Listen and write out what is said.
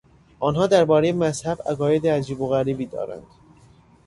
آنها دربارهی مذهب عقاید عجیب و غریبی دارند.